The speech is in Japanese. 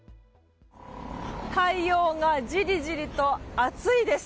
太陽がじりじりと暑いです。